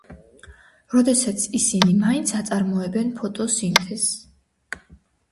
როდესაც ისინი მაინც აწარმოებენ ფოტოსინთეზს.